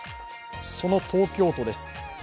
その東京都です。